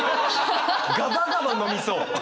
ガバガバ飲みそう！